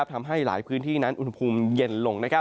ทำให้หลายพื้นที่นั้นอุณหภูมิเย็นลง